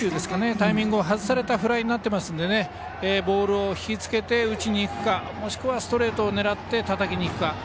タイミングを外されたフライになっていますのでボールを引きつけて打ちに行くかもしくはストレートを狙ってたたきにいくか。